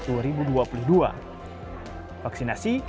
vaksinasi akan diperlukan untuk menjaga keamanan dan keamanan